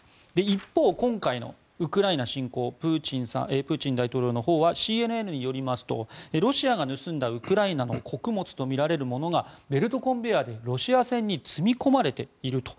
一方、今回のウクライナ侵攻プーチン大統領のほうはＣＮＮによりますとロシアが盗んだウクライナの穀物とみられるものがベルトコンベヤーでロシア船に積み込まれていると。